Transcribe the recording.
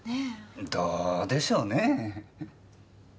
どうでしょうねえ？